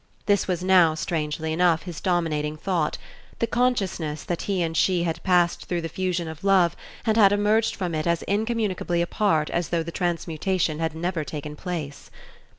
This was now, strangely enough, his dominating thought: the consciousness that he and she had passed through the fusion of love and had emerged from it as incommunicably apart as though the transmutation had never taken place.